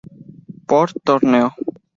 Por torneo